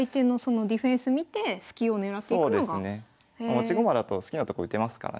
持ち駒だと好きなとこ打てますからね。